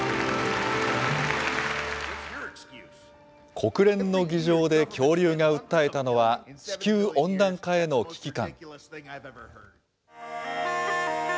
国連の議場で恐竜が訴えたのは、地球温暖化への危機感。